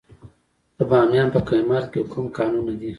د بامیان په کهمرد کې کوم کانونه دي؟